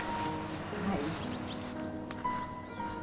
はい。